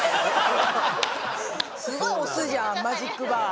すごい推すじゃんマジックバー。